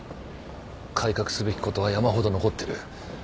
改革すべきことは山ほど残ってる。